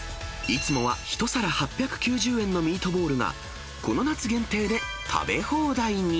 いつもは１皿８９０円のミートボールが、この夏限定で食べ放題に。